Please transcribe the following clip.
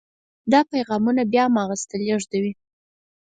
دا پیغامونه بیا مغز ته لیږدوي.